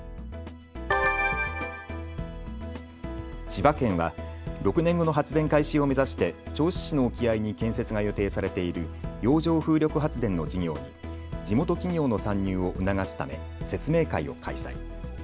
千葉県は６年後の発電開始を目指して銚子市の沖合に建設が予定されている洋上風力発電の事業に地元企業の参入を促すため説明会を開催。